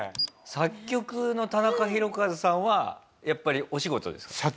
作曲の田中宏和さんはやっぱりお仕事ですか？